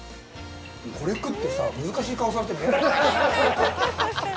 これ食ってさ、難しい顔されても嫌だな。